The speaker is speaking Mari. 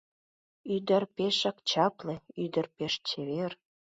Ӱдыр пешак чапле, ӱдыр пеш чевер.